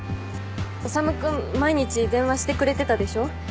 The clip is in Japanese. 修君毎日電話してくれてたでしょ？